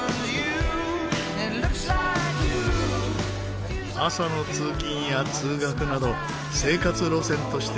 朝の通勤や通学など生活路線として使われる列車。